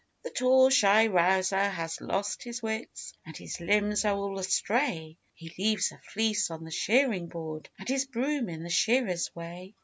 The tall, shy rouser has lost his wits, And his limbs are all astray; He leaves a fleece on the shearing board, And his broom in the shearer's way.